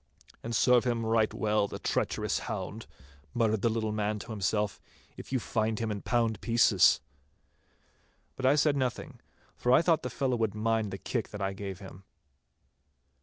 'And serve him right well, the treacherous hound,' muttered the little man to himself, 'if you find him in pound pieces!' But I said nothing, for I thought the fellow would mind the kick that I gave him.